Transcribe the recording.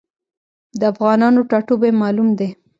د افغانانو ټاټوبی معلوم دی.